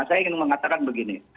saya ingin mengatakan begini